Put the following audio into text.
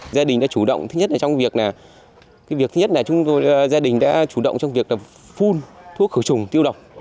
gia đình đã chủ động thứ nhất là trong việc là phun thuốc khẩu trùng tiêu độc